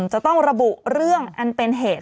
จะต้องระบุเรื่องอันเป็นเหตุ